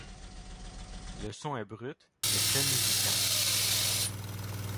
Le son est brut, mais très musical.